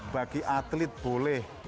bagi atlet boleh